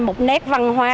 một nét văn hóa